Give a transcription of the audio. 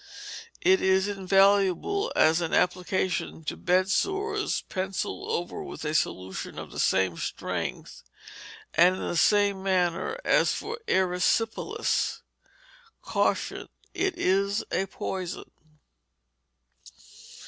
it is invaluable; and as an application to bed sores, pencilled over with a solution of the same strength, and in the same manner as for erysipelas. Caution. It is a poison.